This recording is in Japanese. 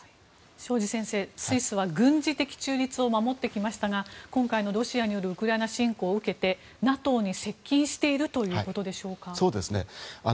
庄司先生、スイスは軍事的中立を守ってきましたが今回のロシアによるウクライナ侵攻を受けてＮＡＴＯに接近しているということでしょうか。